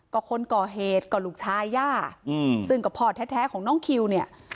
ก็คนก่อเหตุก็ลูกชายย่าอืมซึ่งก็พ่อแท้ของน้องคิวเนี่ย